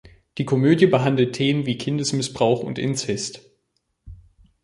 Die Komödie behandelt Themen wie Kindesmissbrauch und Inzest.